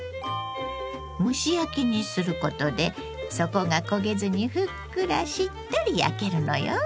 蒸し焼きにすることで底が焦げずにふっくらしっとり焼けるのよ。